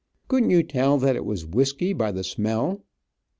Couldn't you tell that it was whiskey by the smell?"